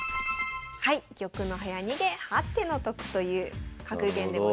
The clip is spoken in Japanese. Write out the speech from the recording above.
はい「玉の早逃げ八手の得」という格言でございます。